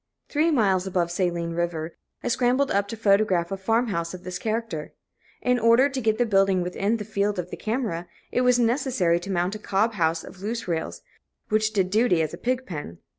Three miles above Saline River, I scrambled up to photograph a farm house of this character. In order to get the building within the field of the camera, it was necessary to mount a cob house of loose rails, which did duty as a pig pen.